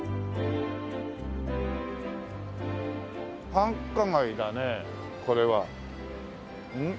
繁華街だねえこれは。ん？